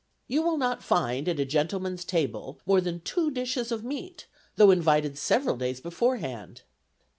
You will not find at a gentleman's table more than two dishes of meat, though invited several days beforehand.